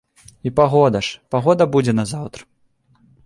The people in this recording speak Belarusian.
І пагода ж, пагода будзе на заўтра.